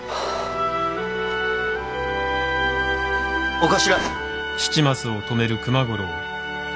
お頭！